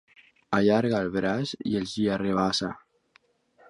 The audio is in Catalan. Allarga el braç i els hi arrabassa.